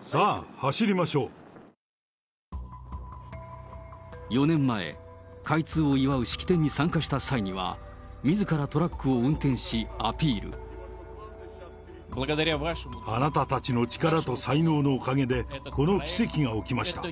さあ、４年前、開通を祝う式典に参加した際には、みずからトラックを運転し、あなたたちの力と才能のおかげで、この奇跡が起きました。